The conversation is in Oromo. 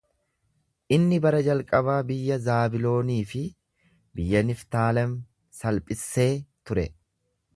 Inni bara jalqabaa biyya Zaabiloonii fi biyya Niftaalem salphissee ture.